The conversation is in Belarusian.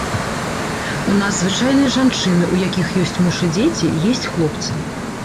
У нас звычайныя жанчыны, у якіх ёсць муж і дзеці, есць хлопцы.